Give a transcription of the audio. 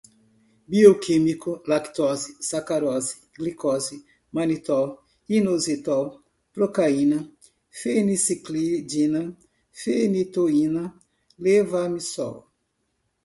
bioquímico, lactose, sacarose, glicose, manitol, inositol, procaína, fenciclidina, fenitoína, levamisol